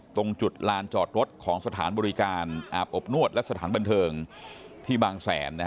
ตรงจุดลานจอดรถของสถานบริการอาบอบนวดและสถานบันเทิงที่บางแสน